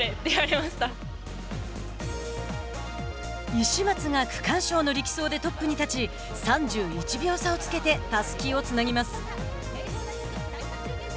石松が区間賞の力走でトップに立ち３１秒差をつけてたすきをつなぎます。